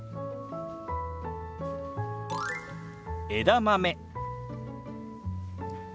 「枝豆」。